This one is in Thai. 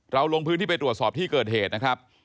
ลงพื้นที่ไปตรวจสอบที่เกิดเหตุนะครับ